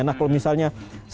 nah kalau misalnya